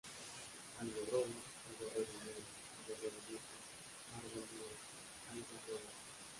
Algarrobo, "algarrobo negro", "algarrobo dulce, "árbol negro", "algarroba".